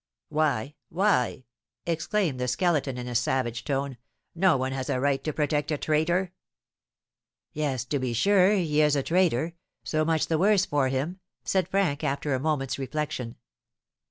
"Why? Why?" exclaimed the Skeleton, in a savage tone; "no one has a right to protect a traitor." "Yes, to be sure, he is a traitor, so much the worse for him," said Frank, after a moment's reflection.